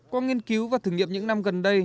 qua nghiên cứu và thử nghiệm những năm gần đây